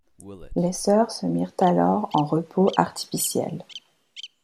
Les Sœurs se mirent alors en repos artificiel.